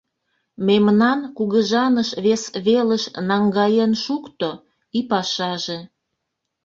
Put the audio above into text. Мемнан кугыжаныш вес велыш наҥгаен шукто — и пашаже!